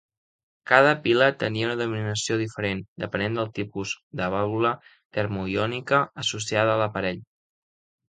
Cada pila tenia una denominació diferent, depenent del tipus de vàlvula termoiònica associada a l'aparell.